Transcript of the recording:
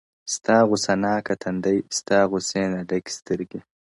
ستا غوسه ناکه تندی ستا غوسې نه ډکي سترگي!!